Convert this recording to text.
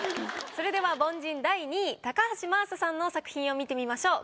それでは凡人第２位高橋真麻さんの作品を見てみましょう。